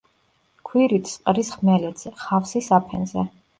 ქვირითს ყრის ხმელეთზე, ხავსის საფენზე.